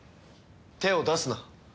手を出すな。